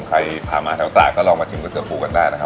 ใครพามาแถวตากก็ลองมาชิมก๋วปูกันได้นะครับ